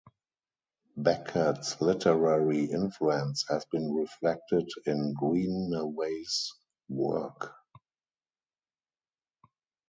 Beckett's literary influence has been reflected in Greenaway's work.